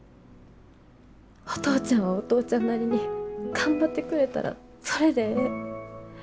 お父ちゃんはお父ちゃんなりに頑張ってくれたらそれでええ。